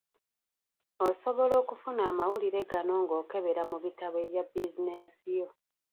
Osobola okufuna amawulire gano ng’okebera mu bitabo ebya bizinensi yo.